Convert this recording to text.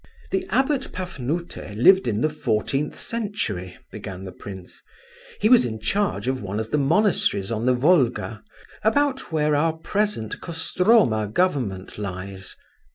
"The Abbot Pafnute lived in the fourteenth century," began the prince; "he was in charge of one of the monasteries on the Volga, about where our present Kostroma government lies.